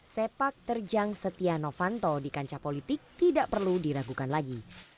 sepak terjang setia novanto di kancah politik tidak perlu diragukan lagi